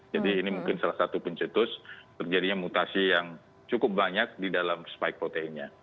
jadi ini mungkin salah satu pencetus terjadinya mutasi yang cukup banyak di dalam spike proteinnya